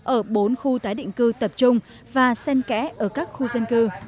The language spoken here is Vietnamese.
ở bốn khu tái định cư tập trung và sen kẽ ở các khu dân cư